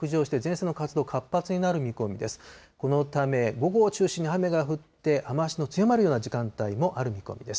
このため午後を中心に雨が降って、雨足の強まるような時間帯もある見込みです。